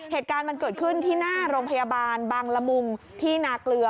เหตุการณ์มันเกิดขึ้นที่หน้าโรงพยาบาลบางละมุงที่นาเกลือ